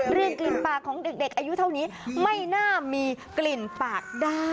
กลิ่นปากของเด็กอายุเท่านี้ไม่น่ามีกลิ่นปากได้